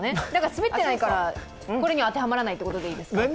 だからスベってないからこれには当てはまらないということでいいですか？